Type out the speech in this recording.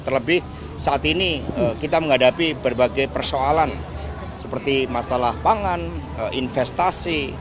terlebih saat ini kita menghadapi berbagai persoalan seperti masalah pangan investasi